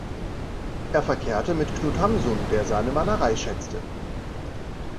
Er verkehrte mit Knut Hamsun, der seine Malerei schätzte.